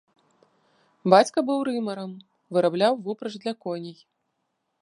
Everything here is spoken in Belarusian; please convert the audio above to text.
Бацька быў рымарам, вырабляў вупраж для коней.